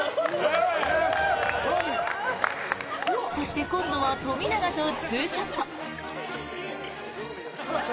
そして今度は富永とツーショット。